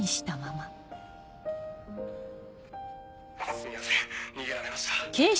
すみません逃げられました。